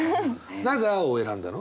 なぜ青を選んだの？